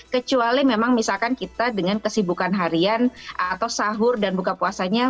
kecuali memang misalkan kita dengan kesibukan harian atau sahur dan buka puasanya